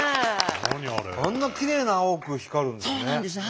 あんなきれいな青く光るんですね。